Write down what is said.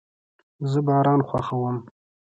زه باران خوښوم